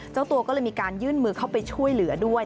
เจ้าตัวก็เลยมีการยื่นมือเข้าไปช่วยเหลือด้วย